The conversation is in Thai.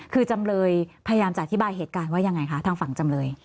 คือจำเลยพยายามจะอธิบายเหตุการณ์ว่ายังไงคะทางฝั่งจำเลย